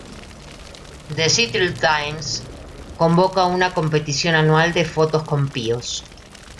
The Seattle Times convoca una competición anual de fotos con píos.